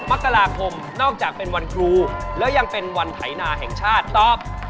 มกราคมนอกจากเป็นวันครูแล้วยังเป็นวันไถนาแห่งชาติตอบ